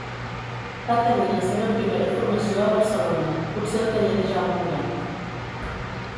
Va tenir la seva primera formació a Barcelona, potser al taller de Jaume Huguet.